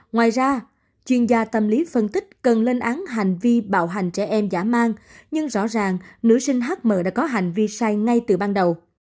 ngoài ra chuyên gia tâm lý phân tích cần lên án hành vi bạo hành trẻ em giả mang nhưng rõ ràng nữ sinh hm đã có hành vi sai ngay từ ban đầu